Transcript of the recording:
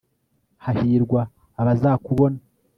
hahirwa abazakubona